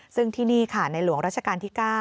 ซึ่งที่นี่ค่ะในหลวงราชการที่๙